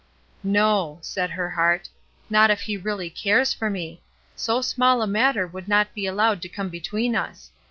" No !" said her heart. " Not if he really cares for me. So small a matter would not be al lowed to come between us.